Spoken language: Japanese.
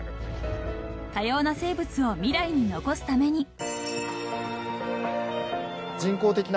［多様な生物を未来に残すために］